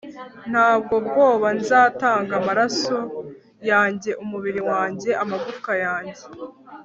Nta bwoba nzatanga amaraso yanjye umubiri wanjye amagufwa yanjye